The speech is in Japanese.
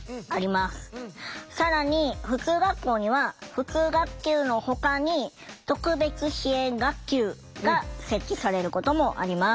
更に普通学校には普通学級のほかに特別支援学級が設置されることもあります。